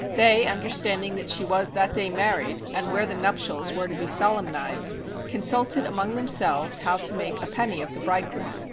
They understanding that she was that day married, and where the nuptials were to be solemnized, consulted among themselves how to make a penny of the bridegroom.